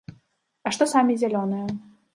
А што самі зялёныя?